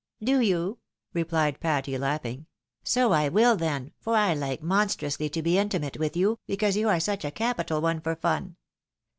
" Do you ?" replied Patty, laughing; " bo I will then, for I like monstrously to be intimate with you, because you are such a capital one for fun.